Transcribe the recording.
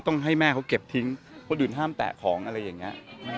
ให้แม่เขาเก็บทิ้งคนอื่นห้ามแตะของอะไรอย่างนี้